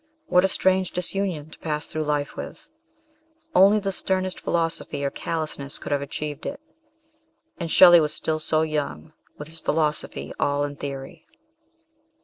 What a strange disunion to pass through life with ! Only the sternest philosophy or callousness could have achieved it and Shelley was still so young, with his philosophy all in theory.